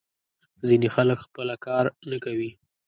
ځینې خلک خپله کار نه کوي.